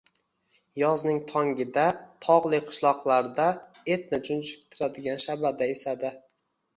Yozning tongida tog`li qishloqlarda etni junjiktiradigan shabada esadi